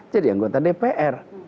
jadi anggota dpr